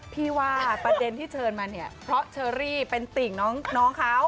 พี่ว่าประเด็นที่เชิญมาเนี่ยเพราะเชอรี่เป็นติ่งน้องเขา